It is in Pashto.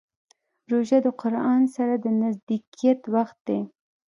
روژه د قرآن سره د نزدېکت وخت دی.